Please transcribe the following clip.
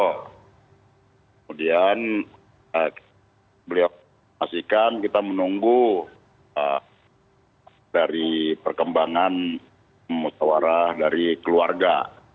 kemudian beliau pastikan kita menunggu dari perkembangan musawarah dari keluarga